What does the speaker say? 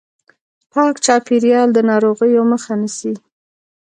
پاک چاپیریال د ناروغیو مخه نیسي.